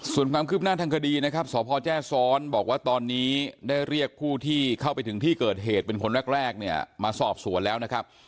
ส่วนความคืบหน้าทางคดีนะครับสพแจ้ซ้อนบอกว่าตอนนี้ได้เรียกผู้ที่เข้าไปถึงที่เกิดเหตุเป็นคนแรกเนี่ยมาสอบสวนแล้วนะครับ